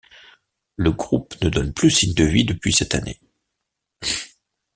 Le groupe ne donne plus signe de vie depuis cette année.